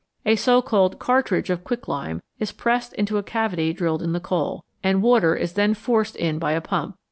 A so called "cartridge" of quicklime is pressed into a cavity drilled in the coal, and water is then forced in by a pump.